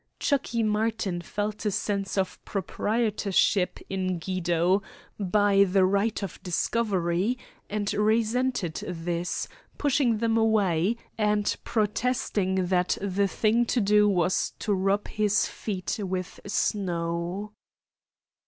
"Chuckey" Martin felt a sense of proprietorship in Guido, by the right of discovery, and resented this, pushing them away, and protesting that the thing to do was to rub his feet with snow.